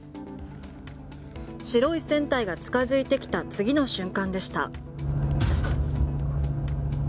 白い船体が近付いてきた次の瞬間でした。